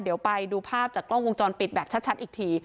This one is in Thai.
เดี๋ยวไปดูภาพจากกล้องวงจรปิดแบบชัดอีกที